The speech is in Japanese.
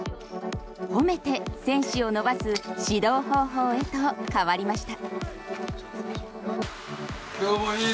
褒めて選手を伸ばす指導方法へと変わりました。